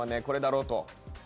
これだろうと。